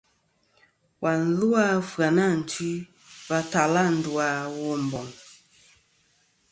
Và lu a Ɨfyanatwi va tala ndu a Womboŋ.